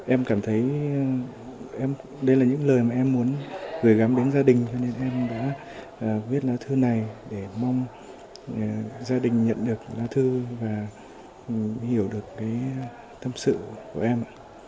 em cảm thấy đây là những lời mà em muốn gửi gắm đến gia đình cho nên em đã viết lá thư này để mong gia đình nhận được lá thư và hiểu được tâm sự của em